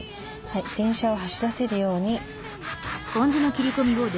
はい電車を走らせるように。